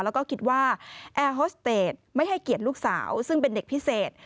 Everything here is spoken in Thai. แล้วก็คิดว่าแอร์โฮสเตจไม่ให้เกียรติลูกสาวซึ่งเป็นเด็กพิเศษ